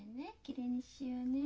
きれいにしようね。